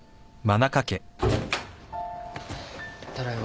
ただいま。